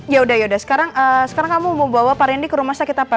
yaudah yaudah sekarang kamu mau bawa pak renny ke rumah sakit apa